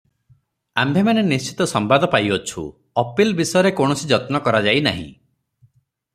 ଆମ୍ଭେମାନେ ନିଶ୍ଚିତ ସମ୍ବାଦ ପାଇଅଛୁ, ଅପିଲ୍ ବିଷୟରେ କୌଣସି ଯତ୍ନ କରାଯାଇନାହିଁ ।